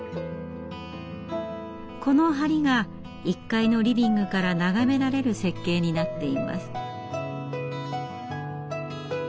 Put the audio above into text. この梁が１階のリビングから眺められる設計になっています。